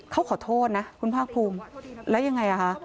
เขาขอโทษนะคุณภาคภูมิแล้วยังไงอ่ะคะ